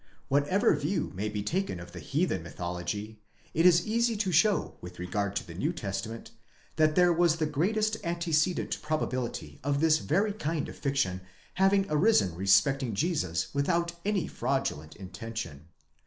Whatever view may be taken of the heathen mythology, it is easy to show with regard to the New Testament, that there was the greatest antecedent probability of this very kind of fiction having arisen respecting Jesus without any fraudulent intention.